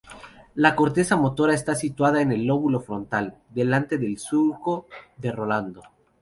La corteza motora está situada en el lóbulo frontal, delante del surco de Rolando.